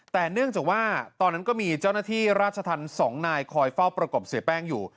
แต่เนื่องจากว่าตอนนั้นก็มีเจ้าหน้าที่ราชธรรม๒นายคอยเฝ้าประกบเสียแป้งอยู่